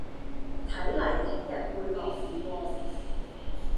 睇嚟聽日會落雨喎